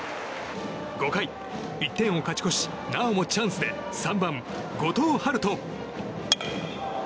５回、１点を勝ち越しなおもチャンスで３番、後藤陽人。